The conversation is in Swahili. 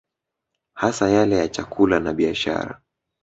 Hasa yale ya chakula na biashara